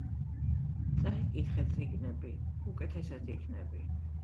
წაიკითხე წიგნები უკეთესად იქნები